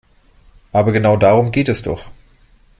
Aber genau darum geht es doch.